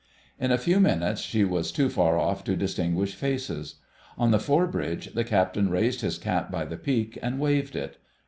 In a few minutes she was too far off to distinguish faces. On the fore bridge the Captain raised his cap by the peak and waved it.